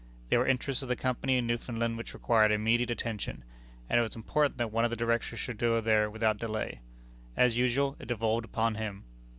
There were interests of the Company in Newfoundland which required immediate attention, and it was important that one of the Directors should go there without delay. As usual, it devolved upon him.